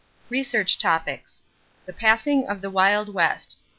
=Research Topics= =The Passing of the Wild West.